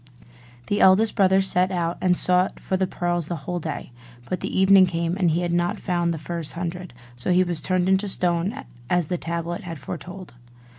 The eldest brother set out, and sought for the pearls the whole day: but the evening came, and he had not found the first hundred: so he was turned into stone as the tablet had foretold.